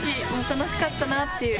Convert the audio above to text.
楽しかったなっていう。